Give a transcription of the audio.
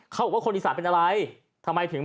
คนอีสานเป็นยัง